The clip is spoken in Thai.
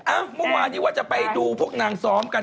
เมื่อวานนี้ว่าจะไปดูพวกนางซ้อมกัน